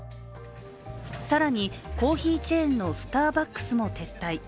更にコーヒーチェーンのスターバックスも撤退。